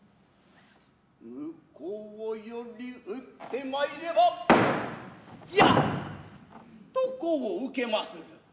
向こうより打って参ればヤッとこう受けまする。